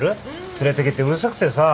連れてけってうるさくてさ。